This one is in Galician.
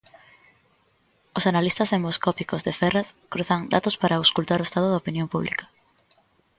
Os analistas demoscópicos de Ferraz cruzan datos para auscultar o estado da opinión pública.